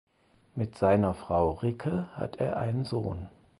Mit seiner Frau Rikke hat er einen Sohn.